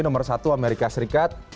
nomor satu amerika serikat